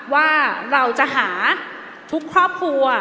ว่าเราจะหาทุกครอบครัว